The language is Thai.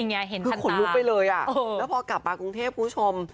นี่ไงเห็นทันตาคือขนลุกไปเลยอ่ะแล้วพอกลับมากรุงเทพคุณผู้ชม